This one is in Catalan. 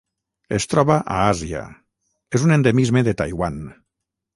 Es troba a Àsia: és un endemisme de Taiwan.